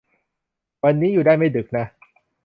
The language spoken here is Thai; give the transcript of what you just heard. วันนี้อยู่ได้ไม่ดึกนะ